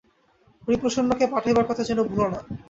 হরিপ্রসন্নকে পাঠাইবার কথা যেন ভুলো না।